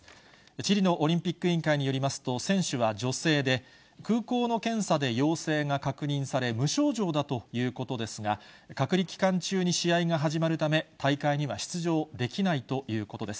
チリのオリンピック委員会によりますと、選手は女性で、空港の検査で陽性が確認され、無症状だということですが、隔離期間中に試合が始まるため、大会には出場できないということです。